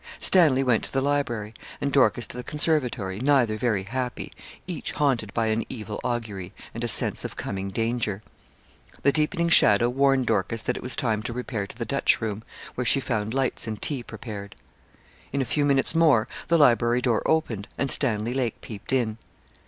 Stanley went to the library, and Dorcas to the conservatory, neither very happy, each haunted by an evil augury, and a sense of coming danger. The deepening shadow warned Dorcas that it was time to repair to the Dutch room, where she found lights and tea prepared. In a few minutes more the library door opened and Stanley Lake peeped in.